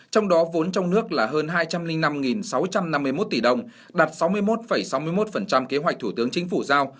trong đó vốn trong nước là hơn hai trăm linh năm sáu trăm năm mươi một tỷ đồng đạt sáu mươi một sáu mươi một kế hoạch thủ tướng chính phủ giao